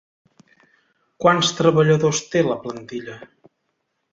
Quants treballadors té la plantilla?